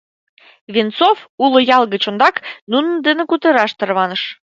Венцов уло ял гыч ондак нунын дене кутыраш тарваныш.